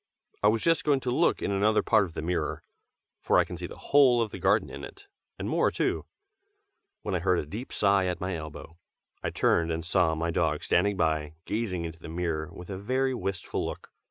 I was just going to look in another part of the mirror, (for I can see the whole of the garden in it, and more too,) when I heard a deep sigh at my elbow. I turned, and saw my dog standing by, gazing into the mirror with a very wistful look.